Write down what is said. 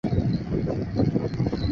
字子上。